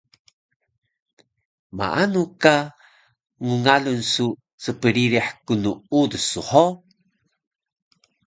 Maanu ka ngngalun su spririh knuudus su ho